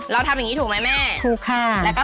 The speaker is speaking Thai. เราทำอย่างนี้ถูกไหมแม่ถูกค่ะ